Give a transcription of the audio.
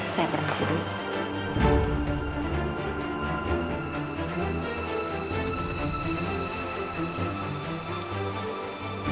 saya berhenti dulu